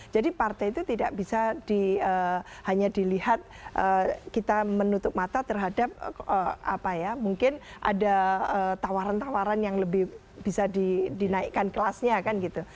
jadi partai itu tidak bisa hanya dilihat kita menutup mata terhadap apa ya mungkin ada tawaran tawaran yang lebih bisa dinaikkan kelasnya kan gitu